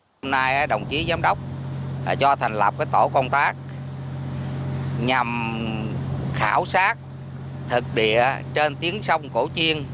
hôm nay đồng chí giám đốc cho thành lập tổ công tác nhằm khảo sát thực địa trên tiếng sông cổ chiên